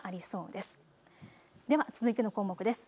では続いての項目です。